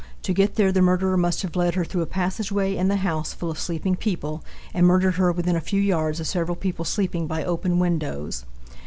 To get there the murderer must have led her through a passageway in the house full of sleeping people, and murdered her within a few yards of several people sleeping by open windows.